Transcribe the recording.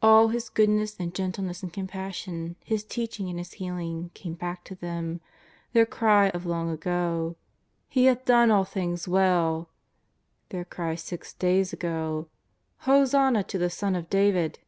All His goodness and gentleness and compassion, His teaching and His healing, came back to them ; their cry of long ago :" He hath done all things well ;'' their cry six days ago :'' Hosanna to the Son of David!